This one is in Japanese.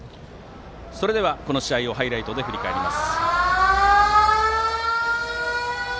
それではこの試合をハイライトで振り返ります。